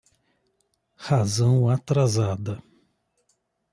Razão atrasada